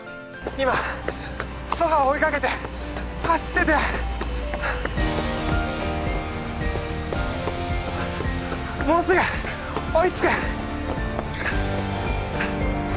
今ソファーを追いかけて走っててもうすぐ追いつく！